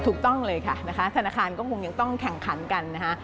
ถูกต้องเลยค่ะนะคะธนาคารก็คงยังต้องแข่งขันกันนะคะ